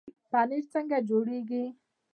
پنیر څنګه جوړیږي؟